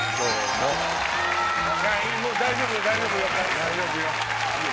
もう大丈夫よ大丈夫よ。